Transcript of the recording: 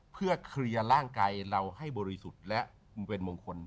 เพื่อเคลียร์ร่างกายเราให้บริสุทธิ์และเป็นมงคล